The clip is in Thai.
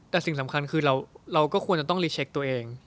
แต่สิ่งสำคัญคือเราก็ควรจะต้องรีเช็คตัวเอง